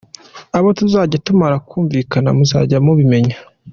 Abo tuzajya tumara kumvikana muzajya mubimenya.